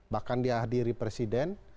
bahkan dihadiri presiden